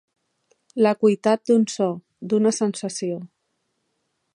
L'acuïtat d'un so, d'una sensació.